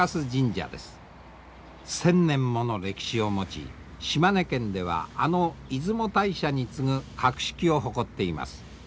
１，０００年もの歴史を持ち島根県ではあの出雲大社に次ぐ格式を誇っています。